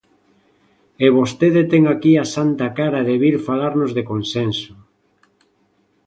E vostede ten aquí a santa cara de vir falarnos de consenso.